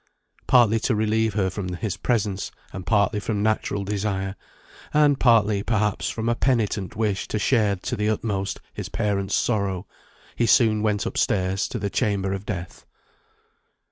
Partly to relieve her from his presence, and partly from natural desire, and partly, perhaps, from a penitent wish to share to the utmost his parents' sorrow, he soon went up stairs to the chamber of death.